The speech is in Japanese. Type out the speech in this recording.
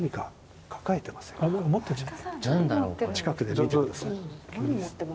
近くで見て下さい。